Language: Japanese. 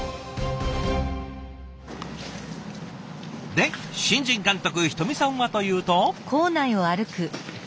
で新人監督人見さんはというと。